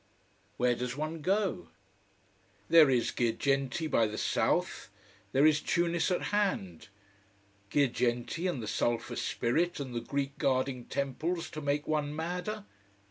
Where does one go? There is Girgenti by the south. There is Tunis at hand. Girgenti, and the sulphur spirit and the Greek guarding temples, to make one madder?